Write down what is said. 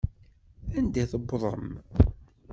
Anda i tewwḍem?